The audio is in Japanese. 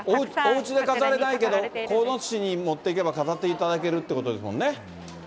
おうちで飾れないけど、鴻巣市に持っていけば、飾っていただけるということですもんね。